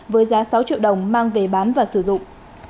với giá sáu triệu đồng mang về bán và sử dụng